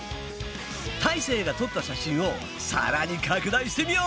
たいせいが撮った写真を更に拡大してみよう！